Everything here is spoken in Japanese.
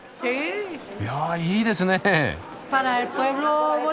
いやぁいいですね。